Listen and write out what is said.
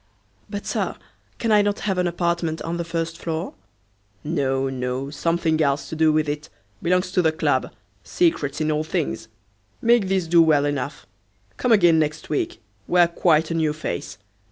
"But, Sir, can I not have an apartment on the first floor?" "No, no, something else to do with it; belongs to the club; secrets in all things! Make this do well enough. Come again next week; wear quite a new face.